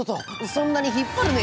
そんなに引っ張るな！